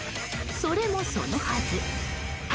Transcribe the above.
それもそのはず。